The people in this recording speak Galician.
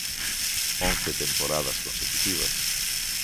Once temporadas consecutivas.